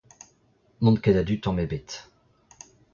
N'on ket a-du tamm ebet.